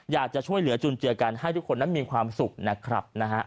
อยากจะช่วยเหลือจุนเจือกันให้ทุกคนนั้นมีความสุขนะครับนะฮะ